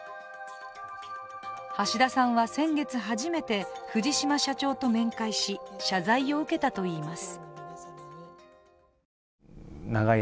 橋田さんは先月、初めて藤島社長と面会し謝罪を受けたといいます。